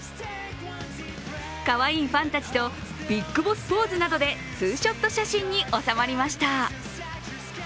かわいいファンたちとＢＩＧＢＯＳＳポーズなどでツーショット写真に収まりました。